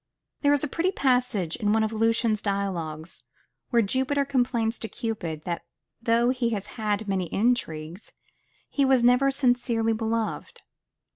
There is a pretty passage in one of Lucian's dialogues, where Jupiter complains to Cupid that though he has had so many intrigues, he was never sincerely beloved.